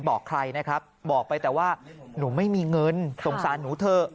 บอกใครนะครับบอกไปแต่ว่าหนูไม่มีเงินสงสารหนูเถอะ